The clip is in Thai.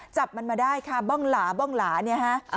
จับมันมาได้ค่ะบ้องหลาเนี่ยฮะ